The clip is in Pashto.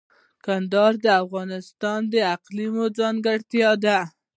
کندهار د افغانستان د اقلیم ځانګړتیا ده.